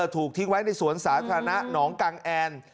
ถูกทิ้งไว้ในสวนสาธารณะหนองกังแอน